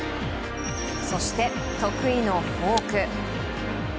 そして得意のフォーク。